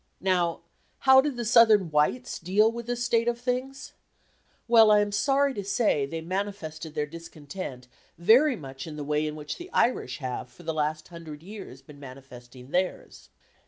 Now, how did the Southern whites deal with this state of things? Well, I am sorry to say they manifested their discontent very much in the way in which the Irish have for the last hundred years been manifesting theirs.